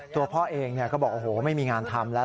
พ่อเองก็บอกโอ้โหไม่มีงานทำแล้ว